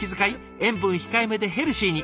塩分控えめでヘルシーに。